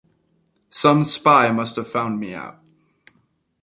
Some spy must have found me out.